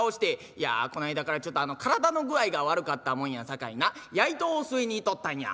「いやこないだからちょっと体の具合が悪かったもんやさかいな灸を据えに行っとったんや」。